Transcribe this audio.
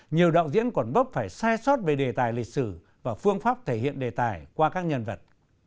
nhiều đạo diễn còn bấp phải sai sót về đề tài lịch sử và phương pháp thể hiện đề tài qua các nhân vật